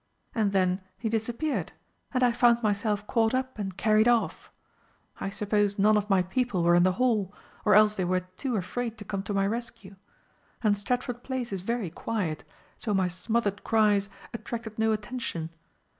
And then he disappeared, and I found myself caught up and carried off. I suppose none of my people were in the hall, or else they were too afraid to come to my rescue. And Stratford Place is very quiet, so my smothered cries attracted no attention.